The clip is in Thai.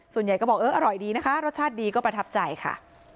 ส่วนใหญ่ก็บอกเอออร่อยดีนะคะรสชาติดีก็ประทับใจค่ะ